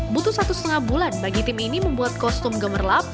butuh satu setengah bulan bagi tim ini membuat kostum gemerlap